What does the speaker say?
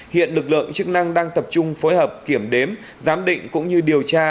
hiện lực lượng chức năng đang tập trung phối hợp kiểm đếm giám định cũng như điều tra